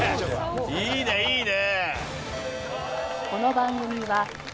いいねいいね。